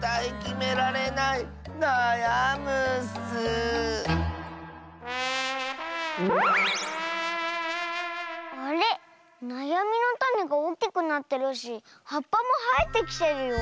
なやみのタネがおおきくなってるしはっぱもはえてきてるよ。